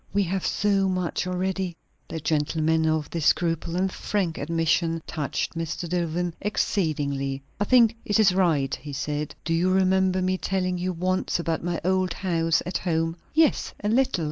We have so much already." The gentle manner of this scruple and frank admission touched Mr. Dillwyn exceedingly. "I think it is right," he said. "Do you remember my telling you once about my old house at home?" "Yes, a little."